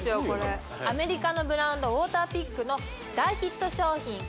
これアメリカのブランドウォーターピックの大ヒット商品